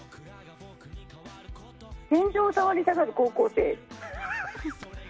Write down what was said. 天井を触りたがる高校生。